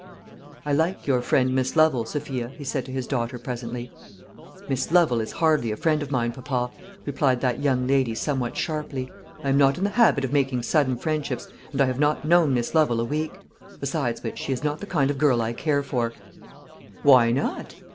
"I like your friend Miss Lovel, Sophia," he said to his daughter presently. "Miss Lovel is hardly a friend of mine, papa," replied that young lady somewhat sharply. "I am not in the habit of making sudden friendships, and I have not known Miss Lovel a week. Besides which, she is not the kind of girl I care for." "Why not?"